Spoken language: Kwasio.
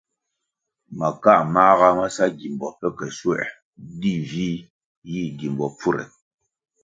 Makā māga ma sa gimbo pe ke schuoē, di vih yih gimbo pfure.